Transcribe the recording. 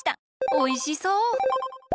おいしそう！